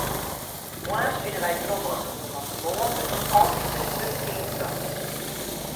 Moarns binne wy grommelich, want de moarn wurdt ús altyd wer te betiid brocht.